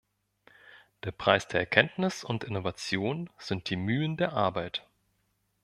Der Preis der Erkenntnis und Innovation sind die Mühen der Arbeit.